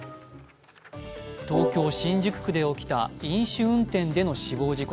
東京・新宿区で起きた飲酒運転での死亡事故。